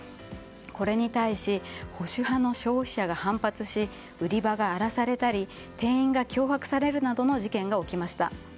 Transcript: これに対し保守派の消費者が反発し売り場が荒らされたり店員が脅迫されるなどの事件が起きました。